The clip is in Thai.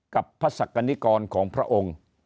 กับพระศักดิกรของพระองค์